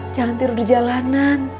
jangan tidur di jalanan